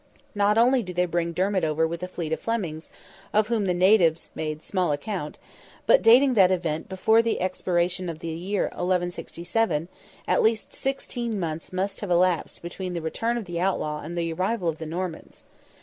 Not only do they bring Dermid over with a fleet of Flemings, of whom the natives made "small account," but dating that event before the expiration of the year 1167, at least sixteen months must have elapsed between the return of the outlaw and the arrival of the Normans.